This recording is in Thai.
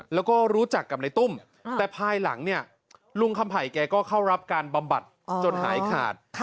แล้วก็รู้จักกับในตุ้มแต่ภายหลังเนี่ยลุงคำไผ่แกก็เข้ารับการบำบัดจนหายขาด